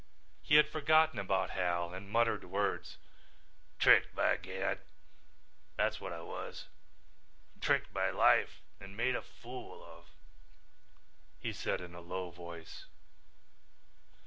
He had forgotten about Hal and muttered words. "Tricked by Gad, that's what I was, tricked by life and made a fool of," he said in a low voice.